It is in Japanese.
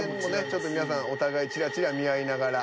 ちょっと皆さんお互いちらちら見合いながら。